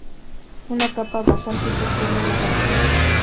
Una capa basáltica cubre la base.